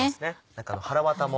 中のはらわたも。